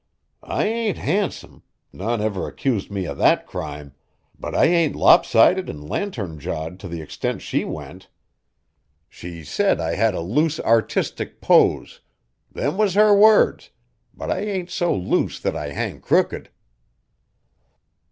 I ain't handsome, none never accused me of that crime, but I ain't lopsided an' lantern jawed t' the extent she went. She said I had a loose artistic pose; them was her words, but I ain't so loose that I hang crooked."